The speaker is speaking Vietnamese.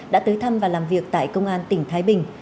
đã tới thăm và làm việc tại công an tỉnh thái bình